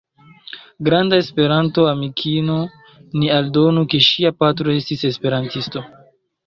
Granda Esperanto-amikino, ni aldonu ke ŝia patro estis esperantisto.